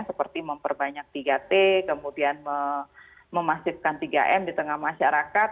seperti memperbanyak tiga t kemudian memasifkan tiga m di tengah masyarakat